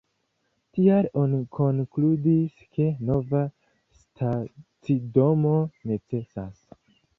Tial oni konkludis ke nova stacidomo necesas.